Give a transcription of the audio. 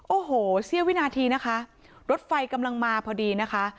โอ้โหเสี้ยววินาทีนะคะรถไฟกำลังมาพอดีนะคะ